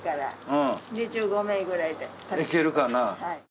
いけるかな？